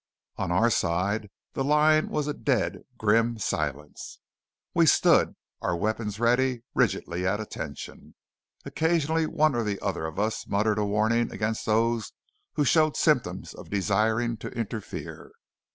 On our side the line was a dead, grim silence. We stood, our weapons ready, rigidly at attention. Occasionally one or the other of us muttered a warning against those who showed symptoms of desiring to interfere.